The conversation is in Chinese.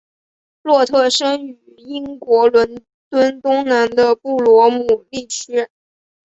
洛特生于英国伦敦东南的布罗姆利区。